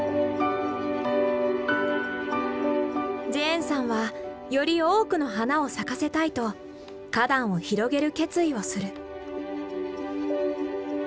ジェーンさんはより多くの花を咲かせたいと花壇を広げる決意をする。